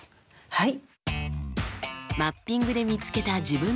はい。